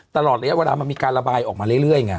ตลอดระยะเวลามันมีการระบายออกมาเรื่อยไง